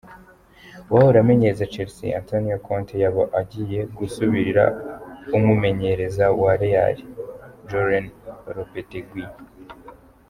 Uwahora amenyereza Chelsea, Antonio Conte, yoba agiye gusubirira umumenyereza wa Real, Julen Lopetegui.